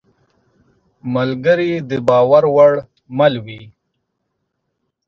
ملګری د باور وړ مل وي.